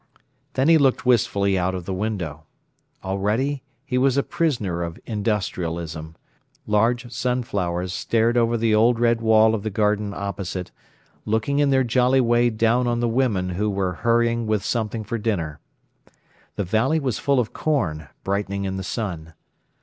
Then he looked wistfully out of the window. Already he was a prisoner of industrialism. Large sunflowers stared over the old red wall of the garden opposite, looking in their jolly way down on the women who were hurrying with something for dinner. The valley was full of corn, brightening in the sun.